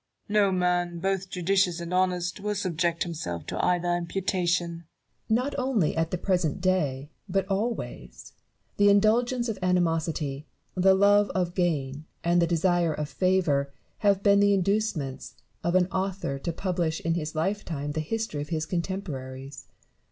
No man, both judicious and honest, will subject himself to either imputation, Barrow. Not only at the present day, but always, the indulgence of animosity, the love of gain, and the desire of favour have been the inducements of an author to publish in his lifetime the history of his contemporaries.